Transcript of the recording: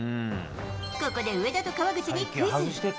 ここで上田と川口にクイズ。